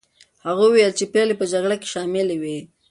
هغوی وویل چې پېغلې په جګړه کې شاملي وې.